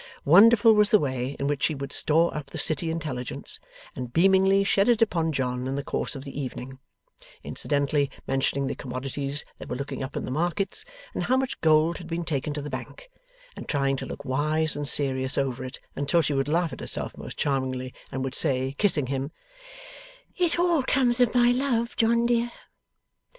Wonderful was the way in which she would store up the City Intelligence, and beamingly shed it upon John in the course of the evening; incidentally mentioning the commodities that were looking up in the markets, and how much gold had been taken to the Bank, and trying to look wise and serious over it until she would laugh at herself most charmingly and would say, kissing him: 'It all comes of my love, John dear.